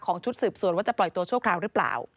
ชุดสืบสวนว่าจะปล่อยตัวชั่วคราวหรือเปล่า